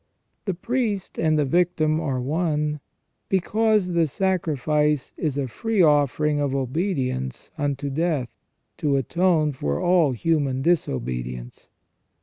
The priest and the victim are one, because the sacrifice is a free offering of obedience unto death, to atone for all human disobedience.